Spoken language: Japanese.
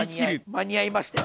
間に合いましたよ。